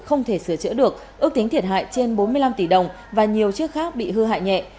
không thể sửa chữa được ước tính thiệt hại trên bốn mươi năm tỷ đồng và nhiều chiếc khác bị hư hại nhẹ